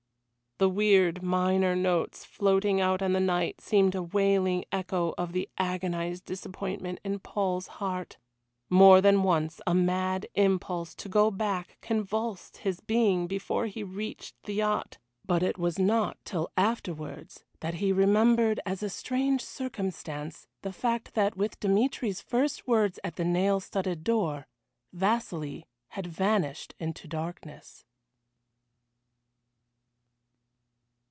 The weird minor notes floating out on the night seemed a wailing echo of the agonised disappointment in Paul's heart more than once a mad impulse to go back convulsed his being before he reached the yacht but it was not till afterwards that he remembered as a strange circumstance the fact that with Dmitry's first words at the nail studded door Vasili had vanished into darkness.